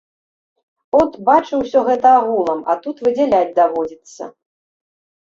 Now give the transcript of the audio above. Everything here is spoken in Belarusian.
От, бачыў усё гэта агулам, а тут выдзяляць даводзіцца.